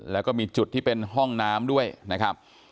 แล้วก็มีจุดที่เป็นห้องน้ำด้วยนะครับ